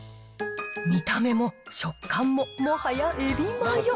見た目も、食感も、もはやエビマヨ。